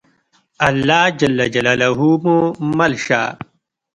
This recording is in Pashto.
الله ج مو مل شه.